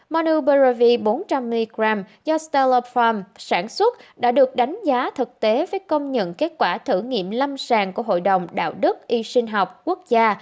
mono berravi bốn trăm linh mg do sterla farm sản xuất đã được đánh giá thực tế với công nhận kết quả thử nghiệm lâm sàng của hội đồng đạo đức y sinh học quốc gia